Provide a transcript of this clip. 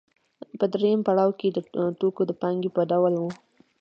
په درېیم پړاو کې د توکو د پانګې په ډول وه